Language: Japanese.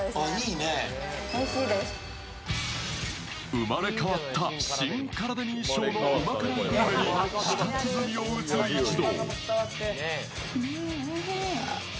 生まれ変わった新カラデミー賞の旨辛グルメに舌鼓を打つ一同。